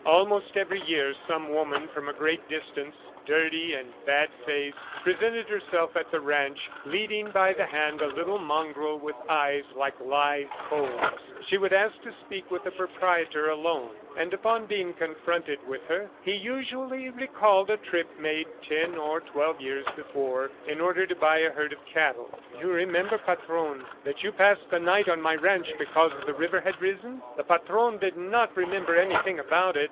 Almost every year, some woman from a great distance, dirty and bad faced, presented herself at the ranch, leading by the hand a little mongrel with eyes like live coals. She would ask to speak with the proprietor alone, and upon being confronted with her, he usually recalled a trip made ten or twelve years before in order to buy a herd of cattle. "You remember, Patron, that you passed the night on my ranch because the river had risen?" The Patron did not remember anything about it.